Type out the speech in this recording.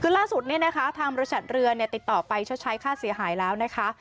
คือล่าสุดเนี่ยนะคะทางบริษัทเรือติดต่อไปชดใช้ค่าเสียหายแล้วนะคะ